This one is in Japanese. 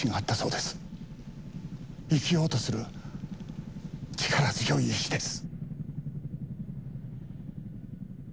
生きようとする力強い意志です。